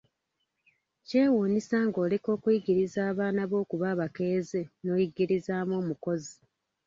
Kyewuunyisa ng'oleka okuyigiriza abaana bo okuba abakeeze n'oyigirizaamu omukozi.